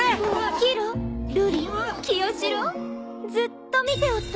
宙瑠璃清司郎ずっと見ておったぞ。